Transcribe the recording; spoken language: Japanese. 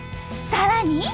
さらに。